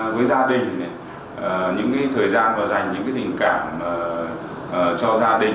với gia đình những thời gian và dành những tình cảm cho gia đình